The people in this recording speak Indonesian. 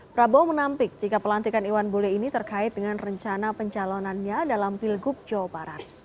prabowo menampik jika pelantikan iwan bule ini terkait dengan rencana pencalonannya dalam pilgub jawa barat